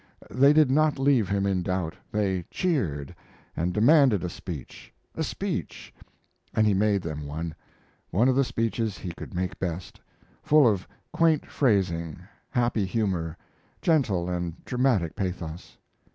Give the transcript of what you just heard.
They did not leave him in doubt. They cheered and demanded a speech, a speech, and he made them one one of the speeches he could make best, full of quaint phrasing, happy humor, gentle and dramatic pathos.